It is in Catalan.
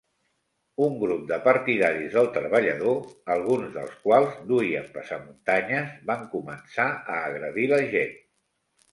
Un grup de partidaris del treballador, alguns dels quals duien passamuntanyes, van començar a agredir la gent.